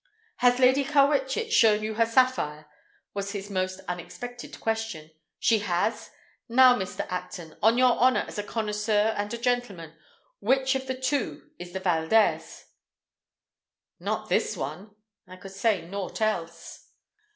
"Has Lady Carwitchet shown you her sapphire?" was his most unexpected question. "She has? Now, Mr. Acton, on your honor as a connoisseur and a gentleman, which of the two is the Valdez?" "Not this one." I could say naught else.